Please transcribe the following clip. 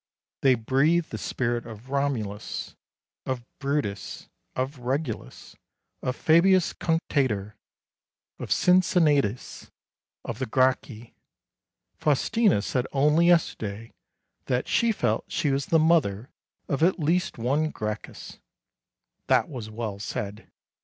They breathe the spirit of Romulus, of Brutus, of Regulus, of Fabius Cunctator, of Cincinnatus, of the Gracchi. Faustina said only yesterday that she felt she was the mother of at least one Gracchus! That was well said.